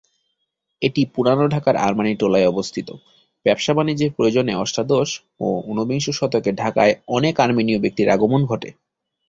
এটি পুরানো ঢাকার আর্মানিটোলায় অবস্থিত। ব্যবসা-বাণিজ্যের প্রয়োজনে অষ্টাদশ ও ঊনবিংশ শতকে ঢাকায় অনেক আর্মেনীয় ব্যক্তির আগমন ঘটে।